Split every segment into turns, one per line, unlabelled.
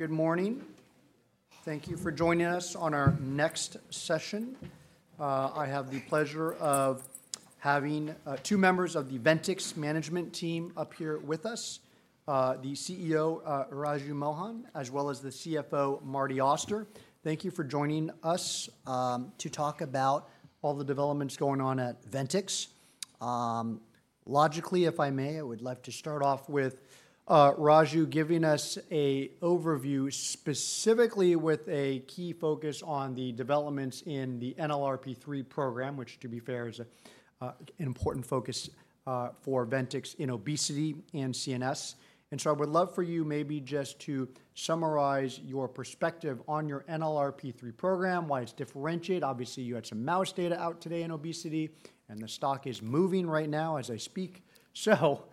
Good morning. Thank you for joining us on our next session. I have the pleasure of having two members of the Ventyx Management Team up here with us, the CEO Raju Mohan, as well as the CFO Martin Auster. Thank you for joining us to talk about all the developments going on at Ventyx. Logically, if I may, I would love to start off with Raju giving us an overview, specifically with a key focus on the developments in the NLRP3 program, which, to be fair, is an important focus for Ventyx in obesity and CNS. And so I would love for you maybe just to summarize your perspective on your NLRP3 program, why it's differentiated. Obviously, you had some mouse data out today in obesity, and the stock is moving right now as I speak. So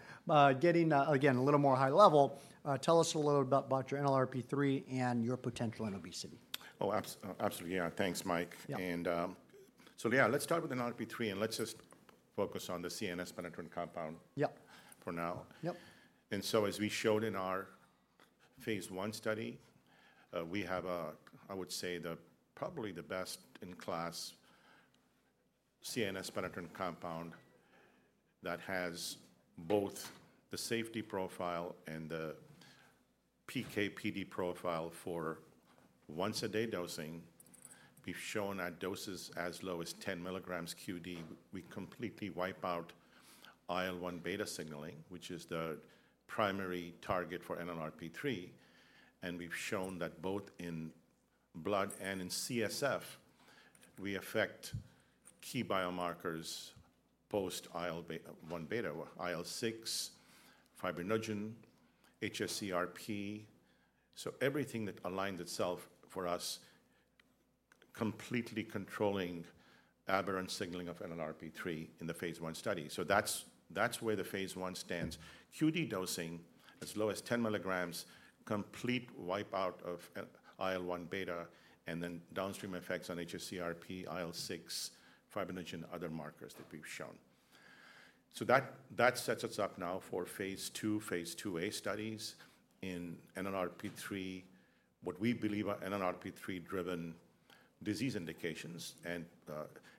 getting, again, a little more high level, tell us a little bit about your NLRP3 and your potential in obesity.
Oh, absolutely. Yeah. Thanks, Mike. So, yeah, let's start with NLRP3, and let's just focus on the CNS penetrant compound for now. So, as we showed in our phase one study, we have, I would say, probably the best in class CNS penetrant compound that has both the safety profile and the PK/PD profile for once-a-day dosing. We've shown at doses as low as 10 mg qd. We completely wipe out IL-1 beta signaling, which is the primary target for NLRP3. And we've shown that both in blood and in CSF, we affect key biomarkers post-IL-1 beta, IL-6, fibrinogen, hsCRP. So everything that aligns itself for us, completely controlling aberrant signaling of NLRP3 in the phase I study. So that's where the phase I stands. QD dosing as low as 10 mg, complete wipeout of IL-1β, and then downstream effects on hsCRP, IL-6, fibrinogen, and other markers that we've shown. So that sets us up now for phase II, phase IIa studies in NLRP3, what we believe are NLRP3-driven disease indications. And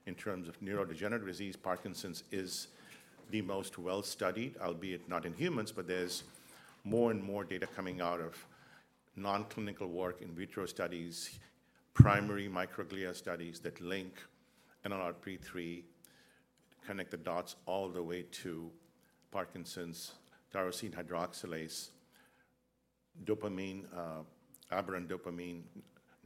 in terms of neurodegenerative disease, Parkinson's is the most well-studied, albeit not in humans, but there's more and more data coming out of nonclinical work, in vitro studies, primary microglia studies that link NLRP3, connect the dots all the way to Parkinson's, tyrosine hydroxylase, dopamine, aberrant dopamine,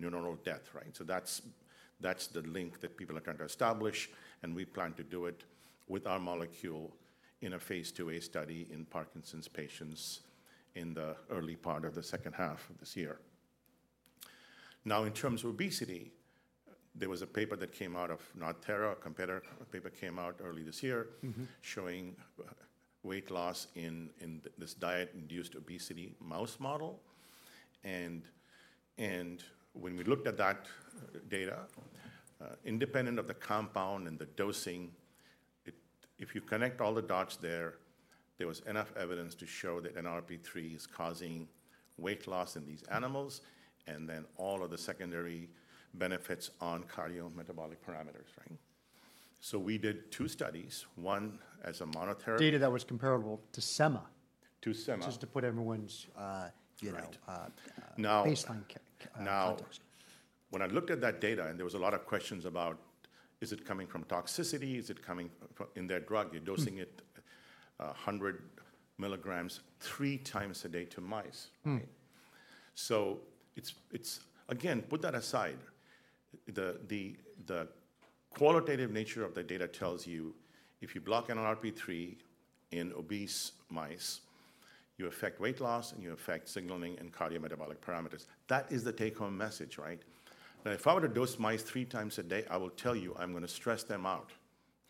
neuronal death, right? So that's the link that people are trying to establish. And we plan to do it with our molecule in a phase IIa study in Parkinson's patients in the early part of the second half of this year. Now, in terms of obesity, there was a paper that came out of NodThera. A competitor paper came out early this year showing weight loss in this diet-induced obesity mouse model. When we looked at that data, independent of the compound and the dosing, if you connect all the dots there, there was enough evidence to show that NLRP3 is causing weight loss in these animals and then all of the secondary benefits on cardiometabolic parameters, right? So we did two studies, one as a monotherapy.
Data that was comparable to Sema.
To Sema.
Just to put everyone's, you know, baseline context.
Now, when I looked at that data, and there was a lot of questions about, is it coming from toxicity? Is it coming from in their drug? You're dosing it 100 mg, 3x a day to mice, right? So it's, again, put that aside. The qualitative nature of the data tells you if you block NLRP3 in obese mice, you affect weight loss and you affect signaling and cardiometabolic parameters. That is the take-home message, right? Now, if I were to dose mice 3x a day, I will tell you I'm going to stress them out,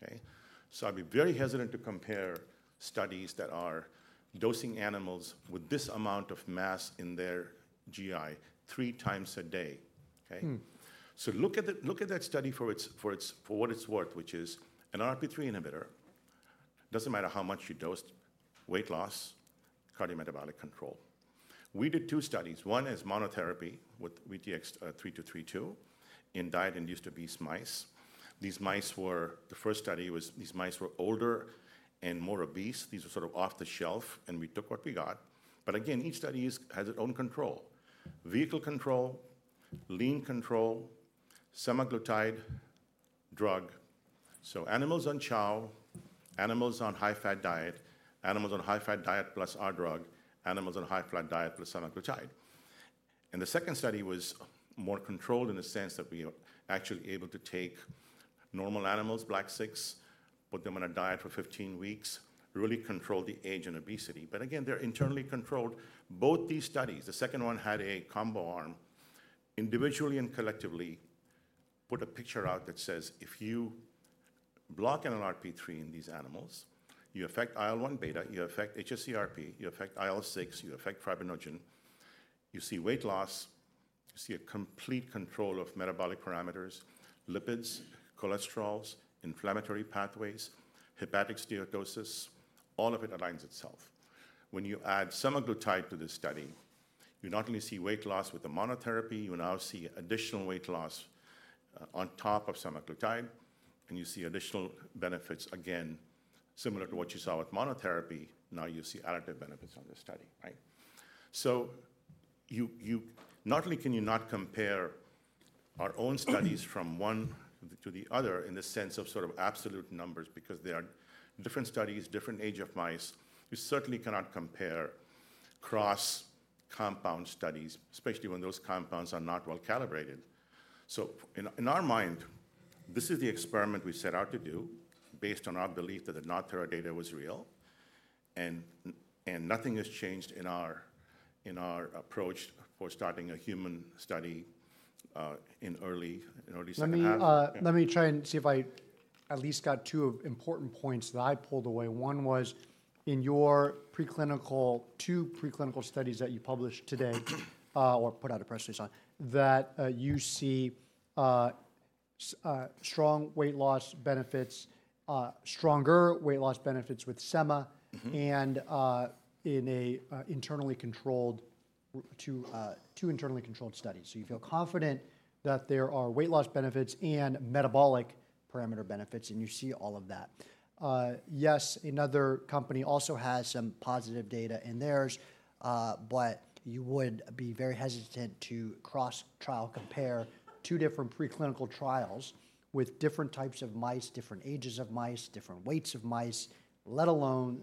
okay? So I'd be very hesitant to compare studies that are dosing animals with this amount of mass in their GI 3x a day, okay? So look at that study for what it's worth, which is NLRP3 inhibitor. It doesn't matter how much you dose, weight loss, cardiometabolic control. We did two studies. One is monotherapy with VTX3232 in diet-induced obese mice. The first study was these mice were older and more obese. These were sort of off the shelf, and we took what we got. But again, each study has its own control: vehicle control, lean control, semaglutide drug. So animals on chow, animals on high-fat diet, animals on high-fat diet plus our drug, animals on high-fat diet plus semaglutide. The second study was more controlled in the sense that we were actually able to take normal animals, Black 6, put them on a diet for 15 weeks, really control the age and obesity. But again, they're internally controlled. Both these studies, the second one had a combo arm. Individually and collectively, put a picture out that says, if you block NLRP3 in these animals, you affect IL-1 beta, you affect hsCRP, you affect IL-6, you affect fibrinogen, you see weight loss, you see a complete control of metabolic parameters, lipids, cholesterols, inflammatory pathways, hepatic steatosis, all of it aligns itself. When you add semaglutide to this study, you not only see weight loss with the monotherapy, you now see additional weight loss on top of semaglutide, and you see additional benefits, again, similar to what you saw with monotherapy. Now you see additive benefits on this study, right? So not only can you not compare our own studies from one to the other in the sense of sort of absolute numbers because they are different studies, different age of mice, you certainly cannot compare cross-compound studies, especially when those compounds are not well calibrated. In our mind, this is the experiment we set out to do based on our belief that the Natera data was real and nothing has changed in our approach for starting a human study in early second half.
Let me try and see if I at least got two important points that I pulled away. One was in your two preclinical studies that you published today or put out a press release on that you see strong weight loss benefits, stronger weight loss benefits with Sema and in two internally controlled studies. So you feel confident that there are weight loss benefits and metabolic parameter benefits, and you see all of that. Yes, another company also has some positive data in theirs, but you would be very hesitant to cross-trial compare two different preclinical trials with different types of mice, different ages of mice, different weights of mice, let alone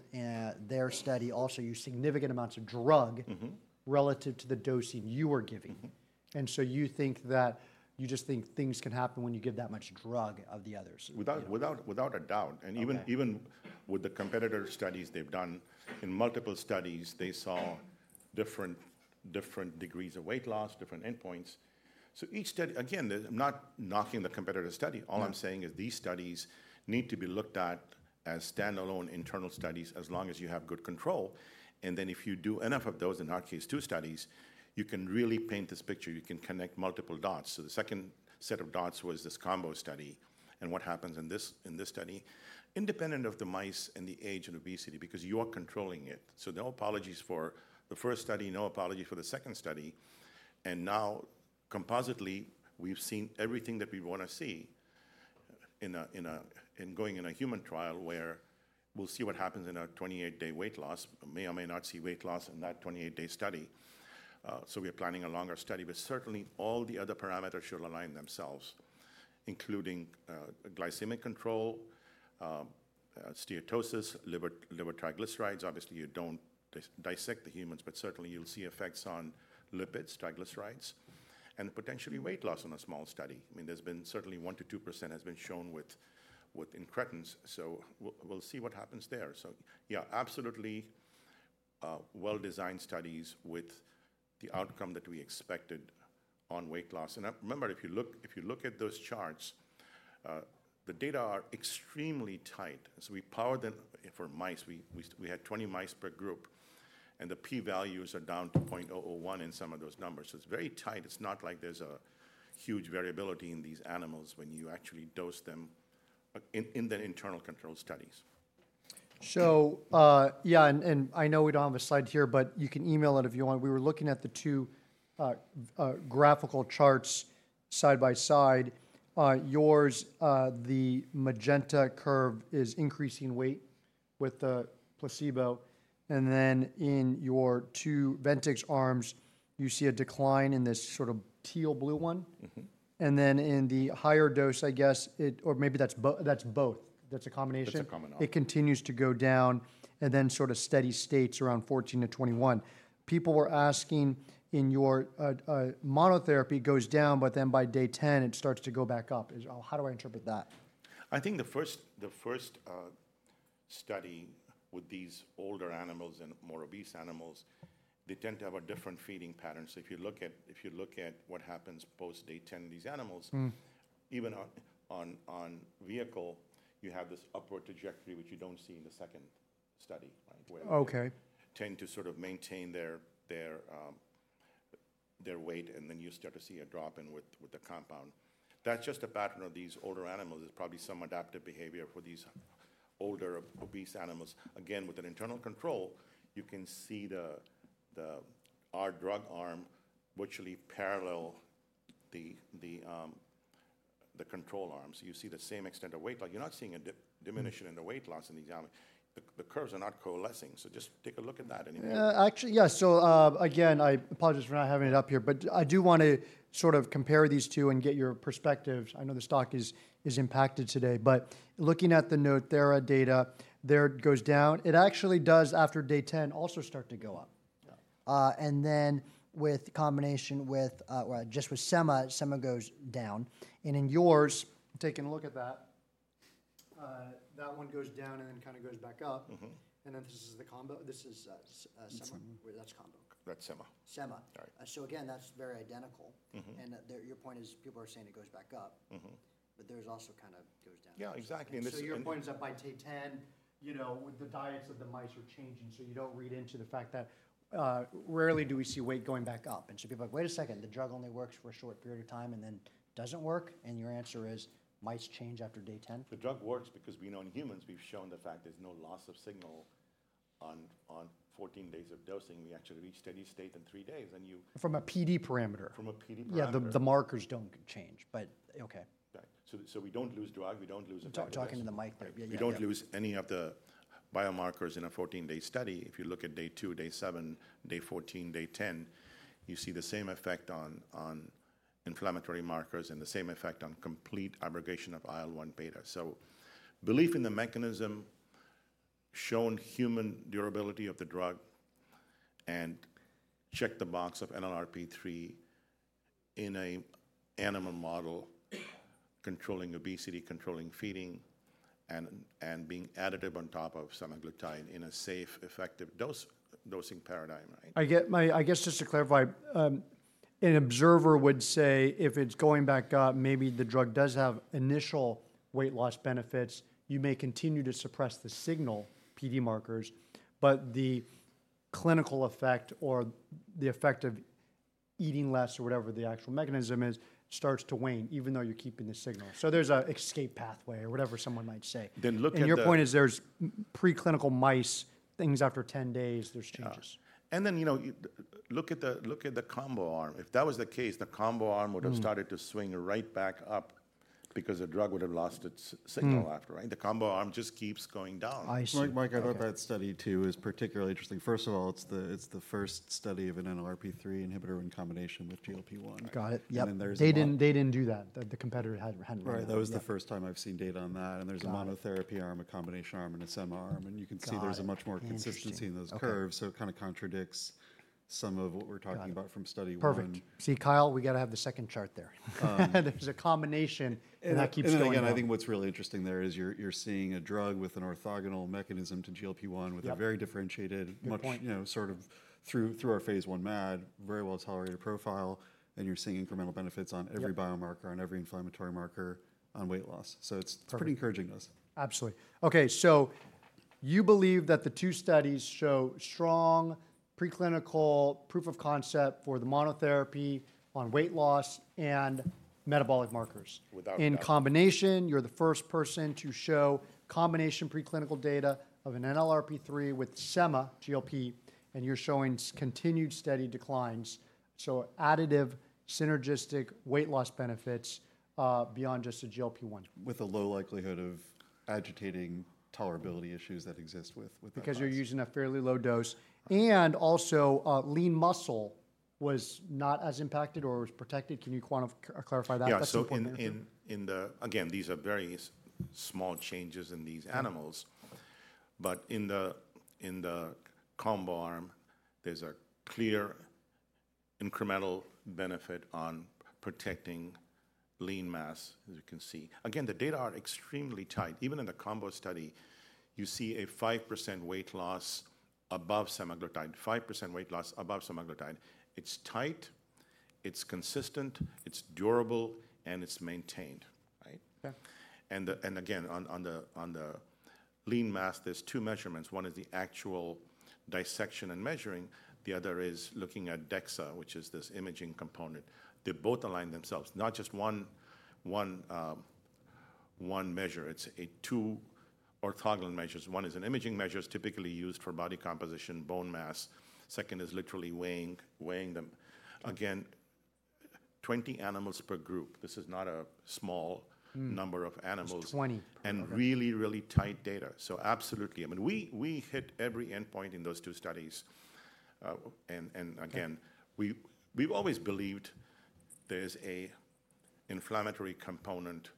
their study also use significant amounts of drug relative to the dosing you are giving. And so you think that you just think things can happen when you give that much drug of the others.
Without a doubt. Even with the competitor studies they've done in multiple studies, they saw different degrees of weight loss, different endpoints. So each study, again, I'm not knocking the competitor study. All I'm saying is these studies need to be looked at as standalone internal studies as long as you have good control. And then if you do enough of those, in our case two studies, you can really paint this picture. You can connect multiple dots. So the second set of dots was this combo study and what happens in this study, independent of the mice and the age and obesity, because you are controlling it. So no apologies for the first study, no apologies for the second study. And now compositely, we've seen everything that we want to see in going in a human trial where we'll see what happens in a 28-day weight loss. May or may not see weight loss in that 28-day study. We're planning a longer study, but certainly all the other parameters should align themselves, including glycemic control, steatosis, liver triglycerides. Obviously, you don't dissect the humans, but certainly you'll see effects on lipids, triglycerides, and potentially weight loss in a small study. I mean, there's been certainly 1%-2% has been shown with incretins. We'll see what happens there. Yeah, absolutely well-designed studies with the outcome that we expected on weight loss. Remember, if you look at those charts, the data are extremely tight so we powered them for mice. We had 20 mice per group, and the p-values are down to 0.001 in some of those numbers. It's very tight. It's not like there's a huge variability in these animals when you actually dose them in the internal control studies.
So yeah, and I know we don't have a slide here, but you can email it if you want. We were looking at the two graphical charts side by side. Yours, the magenta curve is increasing weight with the placebo. And then in your two Ventyx arms, you see a decline in this sort of teal blue one. And then in the higher dose, I guess, or maybe that's both. That's a combination.
That's a combination.
It continues to go down and then sort of steady states around 14 days to 21 days. People were asking in your monotherapy goes down, but then by day 10, it starts to go back up. How do I interpret that?
I think the first study with these older animals and more obese animals, they tend to have a different feeding pattern. So if you look at what happens post day 10 in these animals, even on vehicle, you have this upward trajectory, which you don't see in the second study, right, where they tend to sort of maintain their weight, and then you start to see a drop in with the compound. That's just a pattern of these older animals. It's probably some adaptive behavior for these older obese animals. Again, with an internal control, you can see our drug arm virtually parallel the control arms. You see the same extent of weight loss. You're not seeing a diminishment in the weight loss in these animals. The curves are not coalescing. So just take a look at that.
Actually, yeah. So again, I apologize for not having it up here, but I do want to sort of compare these two and get your perspectives. I know the stock is impacted today, but looking at the NodThera data, there it goes down. It actually does after day 10 also start to go up. And then with combination with or just with Sema, Sema goes down. And in yours. Taking a look at that, that one goes down and then kind of goes back up. And then this is the combo. This is Sema. That's combo.
That's Sema.
Sema. So again, that's very identical. And your point is people are saying it goes back up, but there's also kind of goes down.
Yeah, exactly.
So your point is that by day 10, you know, the diets of the mice are changing. So you don't read into the fact that rarely do we see weight going back up. And so people are like, wait a second, the drug only works for a short period of time and then doesn't work. And your answer is mice change after day 10?
The drug works because we know in humans we've shown the fact there's no loss of signal on 14 days of dosing. We actually reach steady state in 3 days.
From a PD parameter.
From a PD parameter.
Yeah, the markers don't change, but okay.
We don't lose drug. We don't lose a biomarker.
Talking to the mic there.
We don't lose any of the biomarkers in a 14-day study. If you look at day 2, day 7, day 14, day 10, you see the same effect on inflammatory markers and the same effect on complete aggregation of IL-1 beta. So belief in the mechanism, shown human durability of the drug, and check the box of NLRP3 in an animal model controlling obesity, controlling feeding, and being additive on top of semaglutide in a safe, effective dosing paradigm, right?
Just to clarify, an observer would say if it's going back up, maybe the drug does have initial weight loss benefits, you may continue to suppress the signal PD markers, but the clinical effect or the effect of eating less or whatever the actual mechanism is starts to wane even though you're keeping the signal. So there's an escape pathway or whatever someone might say.
Look at that.
Your point is there's preclinical mice, things after 10 days, there's changes.
And then, you know, look at the combo arm. If that was the case, the combo arm would have started to swing right back up because the drug would have lost its signal after, right? The combo arm just keeps going down.
I see.
What I got from that study two.
I thought that study too is particularly interesting. First of all, it's the first study of an NLRP3 inhibitor in combination with GLP-1.
Got it. Yep. They didn't do that. The competitor hadn't run that.
Right. That was the first time I've seen data on that. There's a monotherapy arm, a combination arm, and a Sema arm. You can see there's a much more consistency in those curves. It kind of contradicts some of what we're talking about from study one.
Perfect. See, Kyle, we got to have the second chart there. There's a combination and that keeps going.
I think what's really interesting there is you're seeing a drug with an orthogonal mechanism to GLP-1 with a very differentiated, you know, sort of through our phase I MAD, very well tolerated profile, and you're seeing incremental benefits on every biomarker, on every inflammatory marker, on weight loss. So it's pretty encouraging to us.
Absolutely. Okay. So you believe that the two studies show strong preclinical proof of concept for the monotherapy on weight loss and metabolic markers. In combination, you're the first person to show combination preclinical data of an NLRP3 with Sema, GLP, and you're showing continued steady declines. So additive, synergistic weight loss benefits beyond just the GLP-1.
With a low likelihood of agitating tolerability issues that exist with.
Because you're using a fairly low dose. Also lean muscle was not as impacted or was protected. Can you clarify that?
Yeah. So again, these are very small changes in these animals, but in the combo arm, there's a clear incremental benefit on protecting lean mass, as you can see. Again, the data are extremely tight. Even in the combo study, you see a 5% weight loss above semaglutide, 5% weight loss above semaglutide. It's tight, it's consistent, it's durable, and it's maintained. And again, on the lean mass, there's two measurements. One is the actual dissection and measuring. The other is looking at DEXA, which is this imaging component. They both align themselves. Not just one measure. It's two orthogonal measures. One is an imaging measure typically used for body composition, bone mass. Second is literally weighing them. Again, 20 animals per group. This is not a small number of animals.
It's 20 per group.
Really, really tight data. Absolutely. I mean, we hit every endpoint in those two studies. Again, we've always believed there's an inflammatory component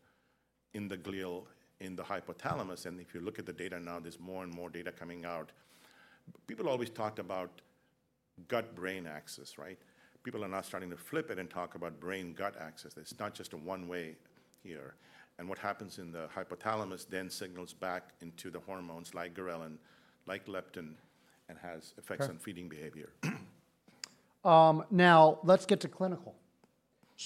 in the glial in the hypothalamus. If you look at the data now, there's more and more data coming out. People always talk about gut-brain axis, right? People are now starting to flip it and talk about brain-gut axis. It's not just a one-way here. What happens in the hypothalamus then signals back into the hormones like ghrelin, like leptin, and has effects on feeding behavior.
Now, let's get to clinical.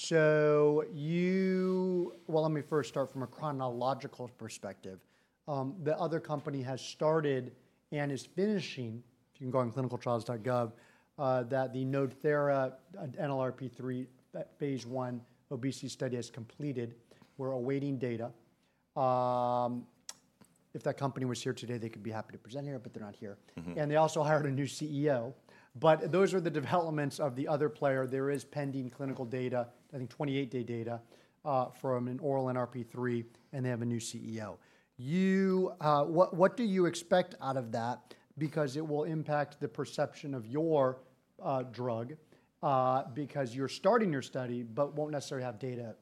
So you, well, let me first start from a chronological perspective. The other company has started and is finishing, if you can go on ClinicalTrials.gov, that the NodThera NLRP3 phase I obesity study has completed. We're awaiting data. If that company was here today, they could be happy to present here, but they're not here. And they also hired a new CEO. But those are the developments of the other player. There is pending clinical data, I think 28-day data from an oral NLRP3, and they have a new CEO. What do you expect out of that? Because it will impact the perception of your drug because you're starting your study, but won't necessarily have data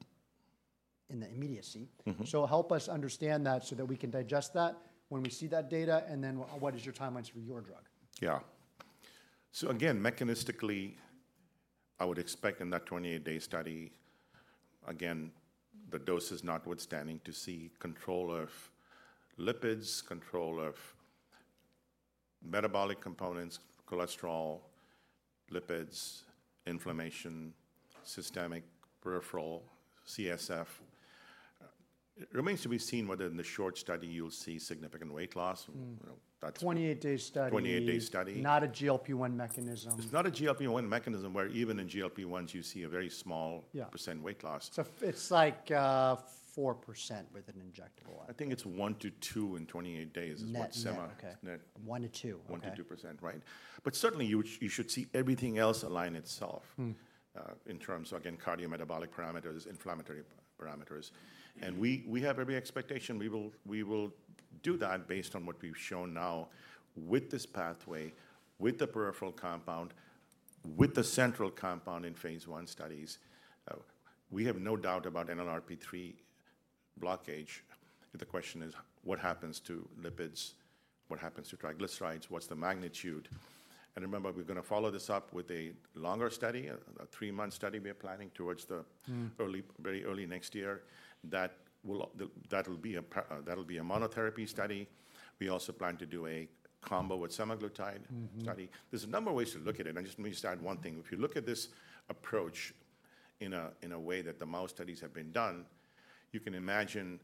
in the immediacy. So help us understand that so that we can digest that when we see that data. And then what is your timelines for your drug?
Yeah. So again, mechanistically, I would expect in that 28-day study, again, the dose notwithstanding to see control of lipids, control of metabolic components, cholesterol, lipids, inflammation, systemic, peripheral, CSF. It remains to be seen whether in the short study you'll see significant weight loss.
28-day study.
28-day study.
Not a GLP-1 mechanism.
It's not a GLP-1 mechanism where even in GLP-1s you see a very small % weight loss.
It's like 4% with an injectable.
I think it's 1% to 2% in 28 days is what sema.
Okay. 1% to 2%.
1% to 2%, right? But certainly you should see everything else align itself in terms of, again, cardiometabolic parameters, inflammatory parameters. And we have every expectation. We will do that based on what we've shown now with this pathway, with the peripheral compound, with the central compound in phase 1 studies. We have no doubt about NLRP3 blockage. The question is what happens to lipids, what happens to triglycerides, what's the magnitude. And remember, we're going to follow this up with a longer study, a three-month study we are planning towards the very early next year that will be a monotherapy study. We also plan to do a combo with semaglutide study. There's a number of ways to look at it. I just want you to start with one thing. If you look at this approach in a way that the mouse studies have been done, you can imagine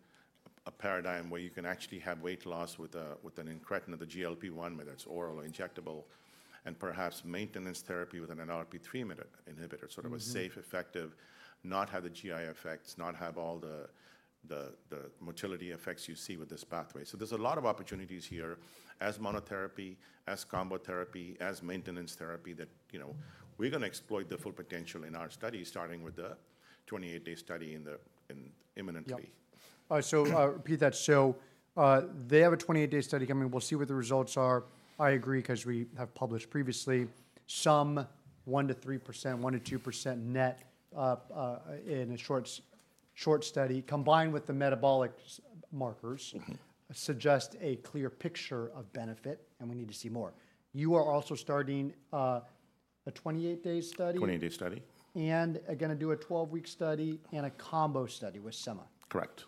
a paradigm where you can actually have weight loss with an incretin of the GLP-1, whether it's oral or injectable, and perhaps maintenance therapy with an NLRP3 inhibitor, sort of a safe, effective, not have the GI effects, not have all the motility effects you see with this pathway. So there's a lot of opportunities here as monotherapy, as combo therapy, as maintenance therapy that, you know, we're going to exploit the full potential in our study starting with the 28-day study imminently.
So repeat that. They have a 28-day study coming. We'll see what the results are. I agree because we have published previously some 1% to 3%, 1% to 2% net in a short study combined with the metabolic markers suggest a clear picture of benefit, and we need to see more. You are also starting a 28-day study.
28-day study.
Going to do a 12-week study and a combo study with Sema.
Correct.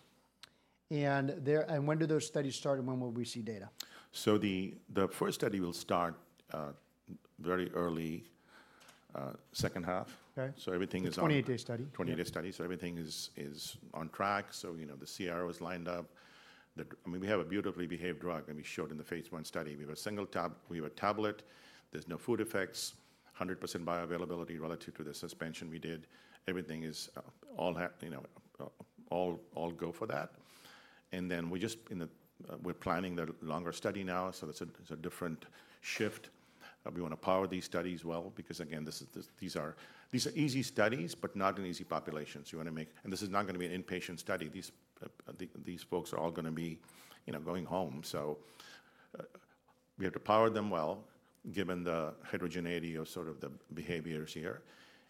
When do those studies start and when will we see data?
So the first study will start very early, second half. So everything is on.
28-day study.
28-day study. So everything is on track. So, you know, the CRO is lined up. I mean, we have a beautifully behaved drug, and we showed in the phase 1 study. We have a single tablet. There's no food effects, 100% bioavailability relative to the suspension we did. Everything is all go for that. And then we're planning the longer study now. So it's a different shift. We want to power these studies well because, again, these are easy studies, but not in easy populations. You want to make, and this is not going to be an inpatient study. These folks are all going to be going home. So we have to power them well given the heterogeneity of sort of the behaviors here.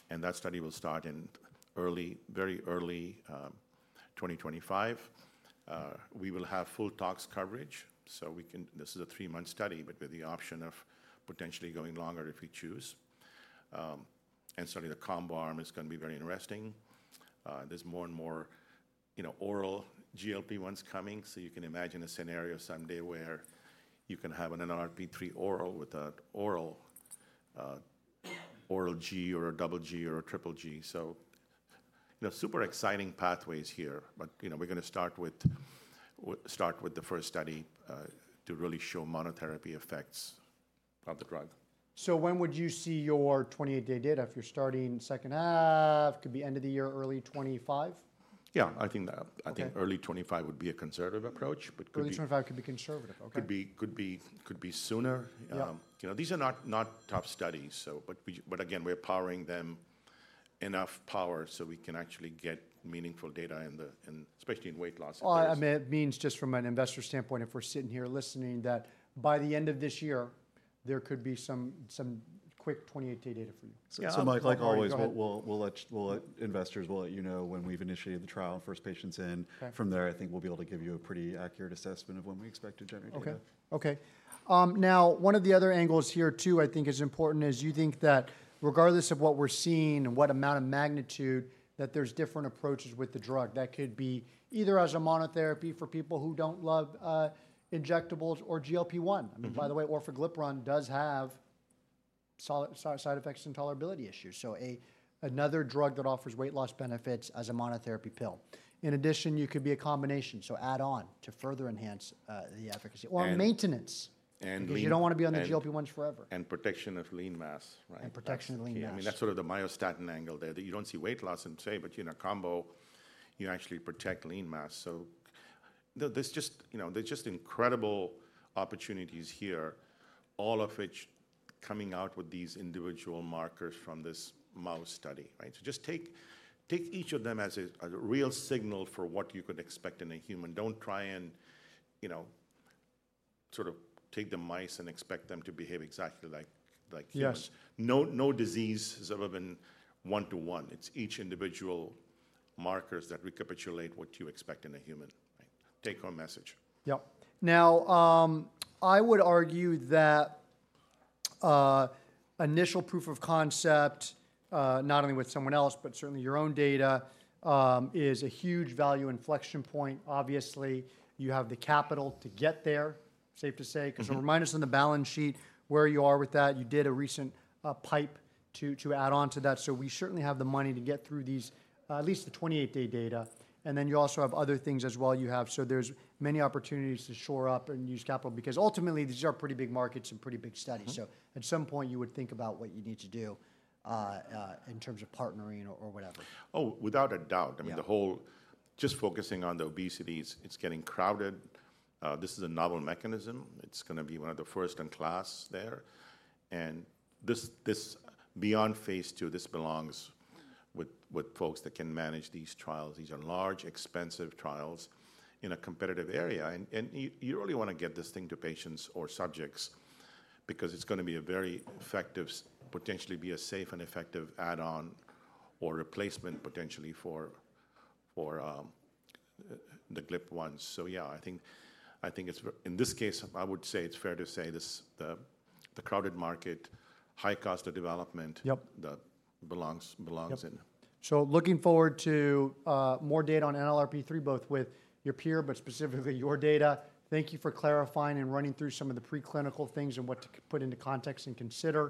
And that study will start in early, very early 2025. We will have full tox coverage. So this is a three-month study, but with the option of potentially going longer if we choose. And certainly the combo arm is going to be very interesting. There's more and more oral GLP-1s coming. So you can imagine a scenario someday where you can have an NLRP3 oral with an oral G or a double G or a triple G. So, you know, super exciting pathways here, but, you know, we're going to start with the first study to really show monotherapy effects of the drug.
When would you see your 28-day data? If you're starting second half, could be end of the year, early 2025?
Yeah, I think early 2025 would be a conservative approach, but could be.
Early 2025 could be conservative. Okay.
Could be sooner. You know, these are not top studies. But again, we're powering them enough power so we can actually get meaningful data in the, especially in weight loss.
Well, I mean, it means just from an investor standpoint, if we're sitting here listening, that by the end of this year, there could be some quick 28-day data for you.
So like always, we'll let investors let you know when we've initiated the trial, first patients in. From there, I think we'll be able to give you a pretty accurate assessment of when we expect to generate data.
Okay. Now, one of the other angles here too, I think is important is you think that regardless of what we're seeing and what amount of magnitude, that there's different approaches with the drug that could be either as a monotherapy for people who don't love injectables or GLP-1. I mean, by the way, orforglipron does have side effects and tolerability issues. So another drug that offers weight loss benefits as a monotherapy pill. In addition, you could be a combination. So add on to further enhance the efficacy or maintenance because you don't want to be on the GLP-1s forever.
And protection of lean mass, right?
Protection of lean mass.
I mean, that's sort of the myostatin angle there that you don't see weight loss in, say, but in a combo, you actually protect lean mass. So there's just incredible opportunities here, all of which coming out with these individual markers from this mouse study, right? So just take each of them as a real signal for what you could expect in a human. Don't try and, you know, sort of take the mice and expect them to behave exactly like humans. No disease has ever been one-to-one. It's each individual markers that recapitulate what you expect in a human. Take home message.
Yep. Now, I would argue that initial proof of concept, not only with someone else, but certainly your own data is a huge value inflection point. Obviously, you have the capital to get there, safe to say, because remind us on the balance sheet where you are with that. You did a recent pipe to add on to that. So we certainly have the money to get through these, at least the 28-day data. And then you also have other things as well. You have, so there's many opportunities to shore up and use capital because ultimately these are pretty big markets and pretty big studies. So at some point, you would think about what you need to do in terms of partnering or whatever.
Oh, without a doubt. I mean, the whole, just focusing on the obesity, it's getting crowded. This is a novel mechanism. It's going to be one of the first in class there. And this beyond phase II, this belongs with folks that can manage these trials. These are large, expensive trials in a competitive area. And you really want to get this thing to patients or subjects because it's going to be a very effective, potentially be a safe and effective add-on or replacement potentially for the GLP-1s. So yeah, I think in this case, I would say it's fair to say the crowded market, high cost of development belongs in.
Looking forward to more data on NLRP3, both with your peer, but specifically your data. Thank you for clarifying and running through some of the preclinical things and what to put into context and consider.